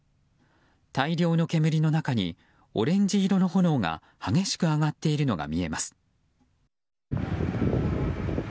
大量の煙の中にオレンジ色の炎が激しく上がっているのが見えます。